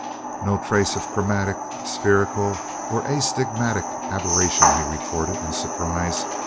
"No trace of chromatic, spherical, or astigmatic aberration," he reported in surprise.